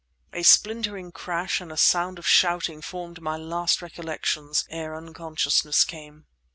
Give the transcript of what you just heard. A splintering crash and the sound of shouting formed my last recollections ere unconsciousness came.